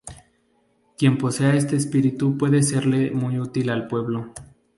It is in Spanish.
Quien posea este espíritu puede serle muy útil al pueblo.